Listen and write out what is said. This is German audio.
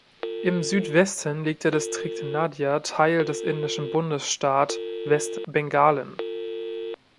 Im Südwesten liegt der Distrikt Nadia (Teil des indischen Bundesstaat Westbengalen).